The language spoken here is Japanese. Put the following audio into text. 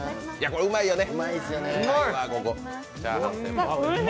これ、うまいよね。